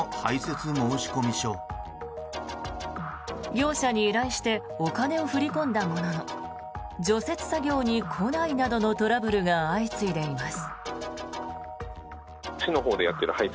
業者に依頼してお金を振り込んだものの除雪作業に来ないなどのトラブルが相次いでいます。